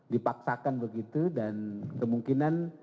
dipaksakan begitu dan kemungkinan